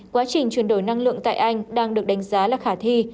quá trình chuyển đổi năng lượng tại anh đang được đánh giá là khả thi